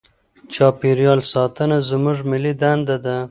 چاپیریال ساتنه زموږ ملي دنده ده.